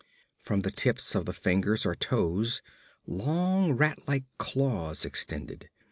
From the tips of the fingers or toes, long rat like claws extended.